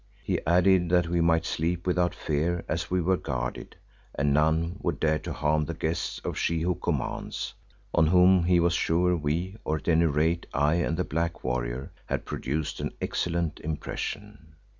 He added that we might sleep without fear as we were guarded and none would dare to harm the guests of She who commands, on whom he was sure we, or at any rate I and the black Warrior, had produced an excellent impression.